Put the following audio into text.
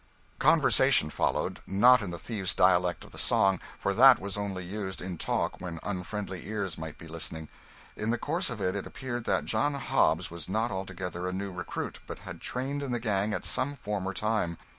Conversation followed; not in the thieves' dialect of the song, for that was only used in talk when unfriendly ears might be listening. In the course of it, it appeared that 'John Hobbs' was not altogether a new recruit, but had trained in the gang at some former time.